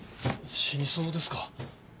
死にそうですか？